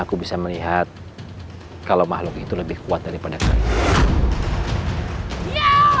aku bisa melihat kalau makhluk itu lebih kuat daripada kalian